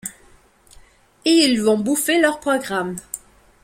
et ils vont bouffer leur programme.